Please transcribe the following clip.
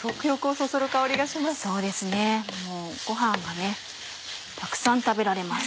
そうですねご飯がたくさん食べられます。